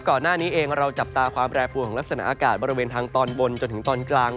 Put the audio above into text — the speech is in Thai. ก่อนหน้านี้เองเราจับตาความแปรปวนของลักษณะอากาศบริเวณทางตอนบนจนถึงตอนกลาง